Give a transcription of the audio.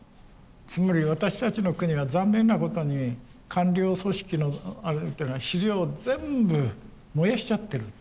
つまり私たちの国は残念なことに官僚組織のあれっていうのは資料を全部燃やしちゃってる。